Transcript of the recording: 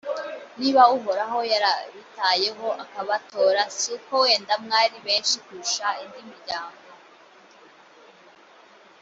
niba uhoraho yarabitayeho akabatora, si uko wenda mwari benshi kurusha indi miryango,